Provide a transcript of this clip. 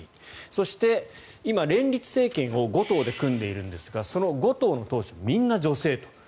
そして、いま連立政権を５党で組んでいるんですがその５党の党首みんな女性と。